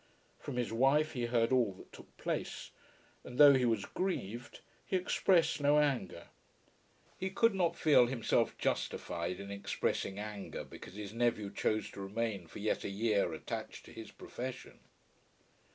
From his wife he heard all that took place; and though he was grieved, he expressed no anger. He could not feel himself justified in expressing anger because his nephew chose to remain for yet a year attached to his profession.